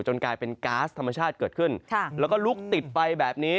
กลายเป็นก๊าซธรรมชาติเกิดขึ้นแล้วก็ลุกติดไปแบบนี้